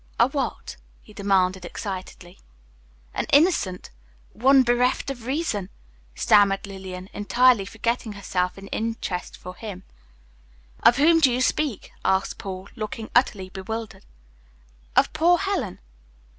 "A what?" he demanded, excitedly. "An innocent, one bereft of reason," stammered Lillian, entirely forgetting herself in her interest for him. "Of whom do you speak?" asked Paul, looking utterly bewildered, "Of poor Helen."